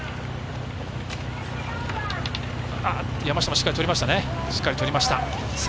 山下もしっかり取りました。